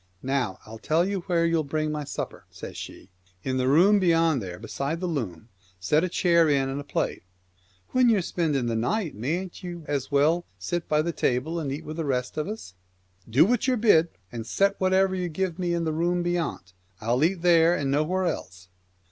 " Now I'll tell you where you'll bring my supper," says she. " In the room beyond there beside the loom — set a chair in and a plate." " When ye're spending the night, mayn't ye as well sit by the table and eat with the rest of us ?"" Do what you're bid, and set whatever you give me in the room bey ant. I'll eat there and nowhere else."